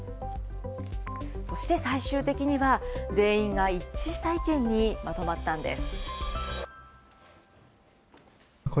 そして最終的には、全員が一致した意見にまとまったんです。